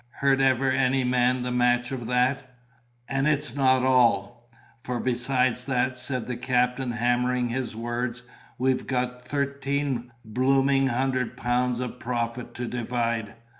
Heard ever any man the match of that? And it's not all! For besides that," said the captain, hammering his words, "we've got Thirteen Blooming Hundred Pounds of profit to divide.